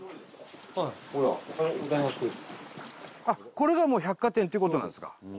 これがもう百貨店っていう事なんですか？